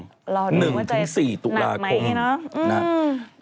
รอดึงว่าจะหนักไหมน่ะอืมรอดึงว่าจะหนักไหม